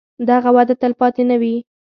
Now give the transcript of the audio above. دغه وده تلپاتې نه وي.